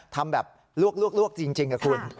ทำแบบลวกจริงกับคุณ